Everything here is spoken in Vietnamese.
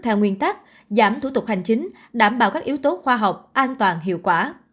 theo nguyên tắc giảm thủ tục hành chính đảm bảo các yếu tố khoa học an toàn hiệu quả